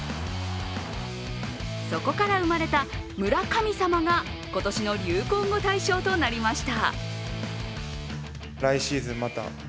そこから生まれた村神様が今年の流行語大賞となりました。